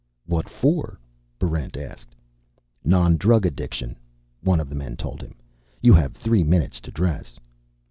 "What for?" Barrent asked. "Non drug addiction," one of the men told him. "You have three minutes to dress."